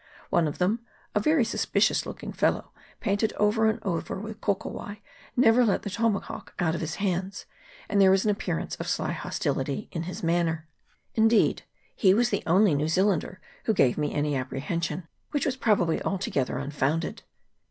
One of them, a very suspicious looking fellow, painted over and over with kokowai, never let the tomahawk out of his' hands, and there was an appearance of sly hostility in his manner ; indeed, he was the only New Zealander who gave me any apprehension, which was probably altogether un founded.